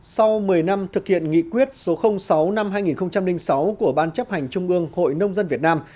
sau một mươi năm thực hiện nghị quyết số sáu năm hai nghìn sáu của ban chấp hành trung ương hội nông dân việt nam